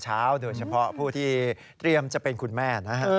โดยเฉพาะผู้ที่เตรียมจะเป็นคุณแม่นะฮะ